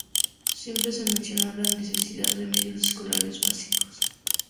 Siempre se mencionó la necesidad de medios escolares básicos.